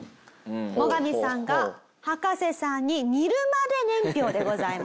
モガミさんが葉加瀬さんに似るまで年表でございます。